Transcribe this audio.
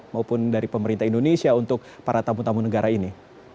maupun dari pemerintah indonesia untuk para tamu tamu negara ini